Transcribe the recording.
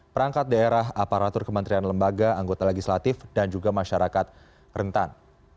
perangkat daerah aparatur kementerian lembaga anggota legislatif dan juga masyarakat rentan